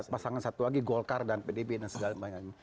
pasangan satu lagi golkar dan pdb dan segala macam